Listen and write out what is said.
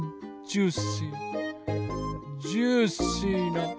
ジューシーな。